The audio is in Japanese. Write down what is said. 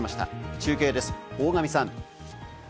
中継です、大神さん。